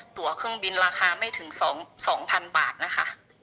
ตัวเครื่องบินราคาไม่ถึง๒๐๐๐บาทนะคะ